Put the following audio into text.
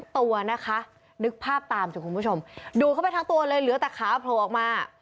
ตัวนะคะนึกภาพตามสิคุณผู้ชมดูดเข้าไปทั้งตัวเลยเหลือแต่ขาโผล่ออกมา